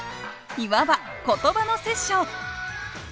いわば言葉のセッション。